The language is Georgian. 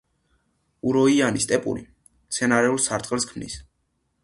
უროიანი სტეპური მცენარეულ სარტყელს ქმნის.